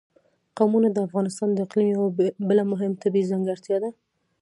قومونه د افغانستان د اقلیم یوه بله مهمه طبیعي ځانګړتیا ده.